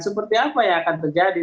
seperti apa yang akan terjadi